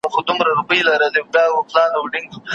ژوند پنځه ګامه مزل دی څلور تللی یې، یو پاته